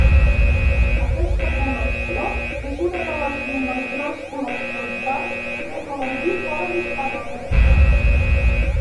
Aquesta col·lecció és una de les majors col·leccions d'art precolombí fora d'Hispanoamèrica.